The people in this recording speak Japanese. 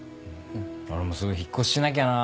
俺もすぐ引っ越ししなきゃな。